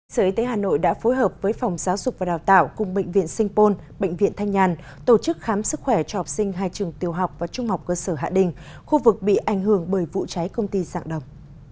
sở y tế hà nội đã phối hợp với phòng giáo dục và đào tạo cùng bệnh viện sinh pôn bệnh viện thanh nhàn tổ chức khám sức khỏe cho học sinh hai trường tiêu học và trung học cơ sở hạ đình khu vực bị ảnh hưởng bởi vụ cháy công ty dạng đồng